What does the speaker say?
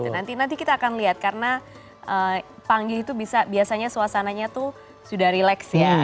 nanti kita akan lihat karena panggih itu bisa biasanya suasananya itu sudah rileks ya